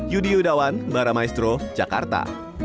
yudi yudawan baramaestro jakarta